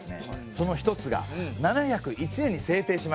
その一つが７０１年に制定しました